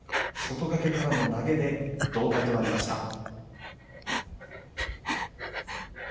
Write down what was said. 外掛けからの投げで同体となりました。